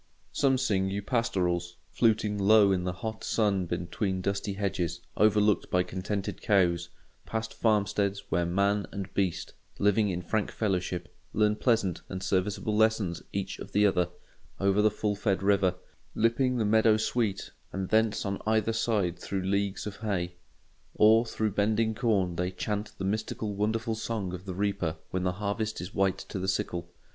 Some sing you pastorals, fluting low in the hot sun between dusty hedges overlooked by contented cows; past farmsteads where man and beast, living in frank fellowship, learn pleasant and serviceable lessons each of the other; over the full fed river, lipping the meadow sweet, and thence on either side through leagues of hay. Or through bending corn they chant the mystical wonderful song of the reaper when the harvest is white to the sickle.